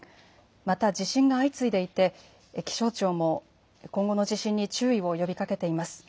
また、地震が相次いでいて、気象庁も今後の地震に注意を呼びかけています。